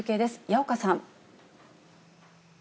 矢岡さん。